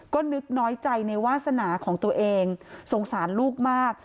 ก็นึกน้อยใจในวาสนาของตัวเองสงสารลูกมาก